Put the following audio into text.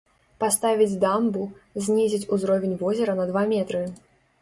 Паставіць дамбу, знізіць узровень возера на два метры.